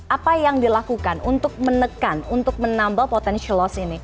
apa yang dilakukan untuk menekan untuk menambal potential loss ini